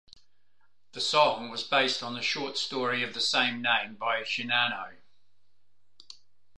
The song was based on the short story of the same name by Shinano.